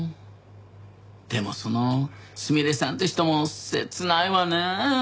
でもそのすみれさんって人も切ないわねえ。